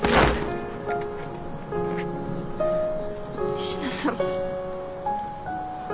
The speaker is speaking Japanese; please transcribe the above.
仁科さん？